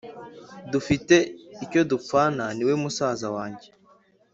Dufite icyo dupfana niwe musaza wanjye